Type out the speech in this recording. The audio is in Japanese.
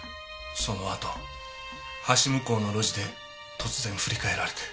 そのあと橋向こうの路地で突然振り返られて。